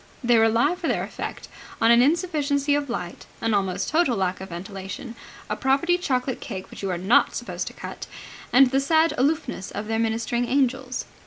They rely for their effect on an insufficiency of light, an almost total lack of ventilation, a property chocolate cake which you are not supposed to cut, and the sad aloofness of their ministering angels.